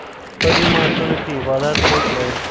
په جوماتونو کې عبادت وکړئ.